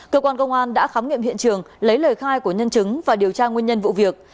cơ quan công an đã khám nghiệm hiện trường lấy lời khai của nhân chứng và điều tra nguyên nhân vụ việc